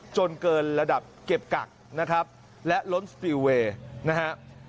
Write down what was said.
จนเกินระดับเก็บกักนะครับและล้นสปิลเวย์นะฮะ